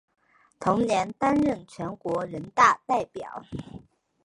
同年担任全国人大代表。